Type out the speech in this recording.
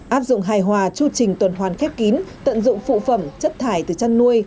áp dụng hại hòa chu trình tuần hoàn khép kín tận dụng phụ phẩm chất thải từ chất nuôi